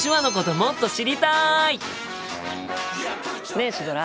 ねえシュドラ。